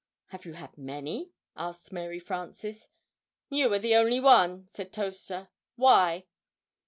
"Have you had many?" asked Mary Frances. "You are the only one," said Toaster. "Why?"